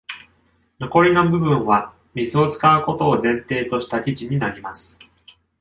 残りの部分は、水を使うことを前提とした記事になります。